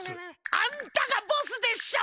あんたがボスでしょ！